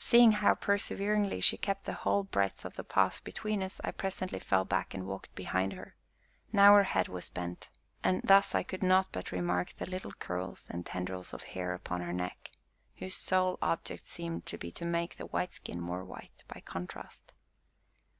Seeing how perseveringly she kept the whole breadth of the path between us, I presently fell back and walked behind her; now her head was bent, and thus I could not but remark the little curls and tendrils of hair upon her neck, whose sole object seemed to be to make the white skin more white by contrast.